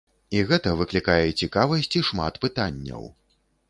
І гэта выклікае цікавасць і шмат пытанняў.